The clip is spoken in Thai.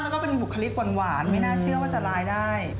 แล้วก็เป็นบุคลิกหวานไม่น่าเชื่อว่าจะร้ายได้